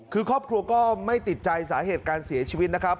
คือครอบครัวก็ไม่ติดใจสาเหตุการเสียชีวิตนะครับ